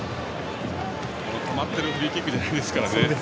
止まっているフリーキックじゃないですから。